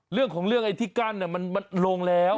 เรื่องของเรื่องไอ้ที่กั้นมันลงแล้ว